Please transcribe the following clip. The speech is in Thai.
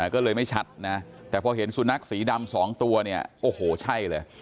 ก็เลยไม่ชัดแต่พอเห็นสุนัขสีดำสองตัวโอ้โหใช่เลย